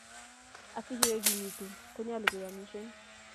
Asi kegimegitu ko nyalu keyamishen